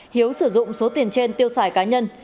hiếu sử dụng số tiền trên tiêu xài cá nhân